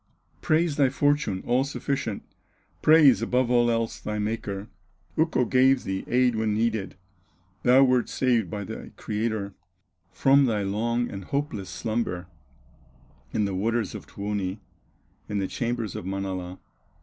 Praise thy fortune, all sufficient, Praise, above all else, thy Maker. Ukko gave thee aid when needed, Thou wert saved by thy Creator, From thy long and hopeless slumber, In the waters of Tuoni, In the chambers of Manala.